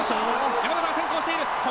山縣先行している。